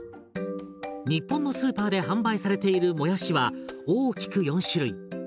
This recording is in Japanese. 日本のスーパーで販売されているもやしは大きく４種類。